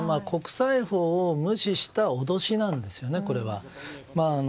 国際法を無視した脅しなんですよね、これは。